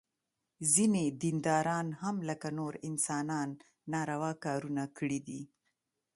ځینې دینداران هم لکه نور انسانان ناروا کارونه کړي دي.